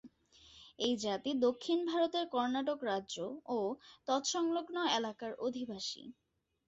এই জাতি দক্ষিণ ভারতের কর্ণাটক রাজ্য ও তৎসংলগ্ন এলাকার অধিবাসী।